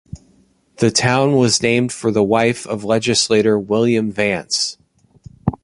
The town was named for the wife of legislator William Vance.